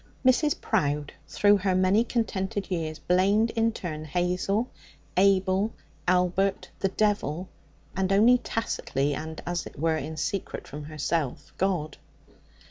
Mrs. Prowde, through her many contented years, blamed in turn Hazel, Abel, Albert, the devil, and (only tacitly and, as it were, in secret from herself) God.